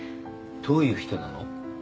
どういう人なの？